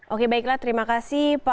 oke baiklah terima kasih pak